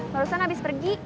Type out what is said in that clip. barusan abis pergi